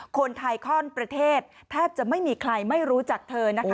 คนไทยข้อนประเทศแทบจะไม่มีใครไม่รู้จักเธอนะคะ